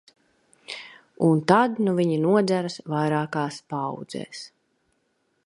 Un tad nu viņi nodzeras vairākās paaudzēs.